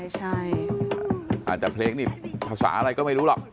ใช่อาจจะเพลงนี่ภาษาอะไรก็ไม่รู้หรอก